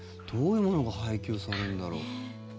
どういうものが配給されるんだろう。